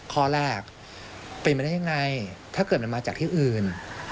ข้อแรกเป็นไปได้ยังไงถ้าเกิดมันมาจากที่อื่น